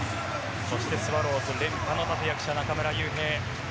スワローズ連覇の立役者中村悠平。